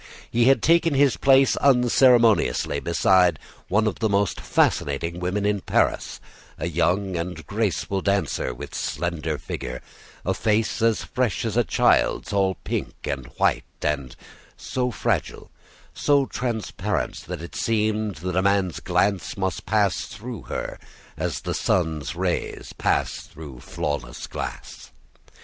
He had taken his place unceremoniously beside one of the most fascinating women in Paris, a young and graceful dancer, with slender figure, a face as fresh as a child's, all pink and white, and so fragile, so transparent, that it seemed that a man's glance must pass through her as the sun's rays pass through flawless glass.